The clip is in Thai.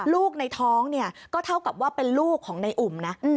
ลูกในท้องเนี่ยก็เท่ากับว่าเป็นลูกของในอุ่มนะ